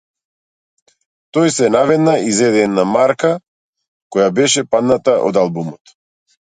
Тој се наведна и зеде една марка која беше падната од албумот.